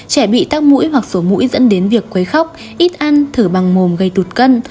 trẻ bị tắc mũi hoặc số mũi dẫn đến việc quấy khóc ít ăn thử bằng mồm gây tụt cân